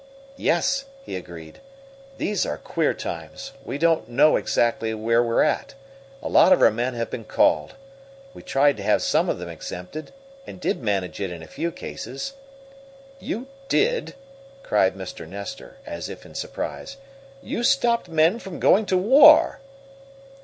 "Yes," he agreed. "These are queer times. We don't know exactly where we're at. A lot of our men have been called. We tried to have some of them exempted, and did manage it in a few cases." "You did?" cried Mr. Nestor, as if in surprise. "You stopped men from going to war!"